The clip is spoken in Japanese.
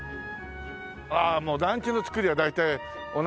ああもう団地の造りは大体同じですね。